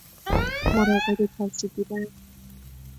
مراقب کسی بودن